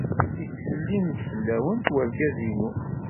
Yettsellim-d fell-awent wergaz-inu.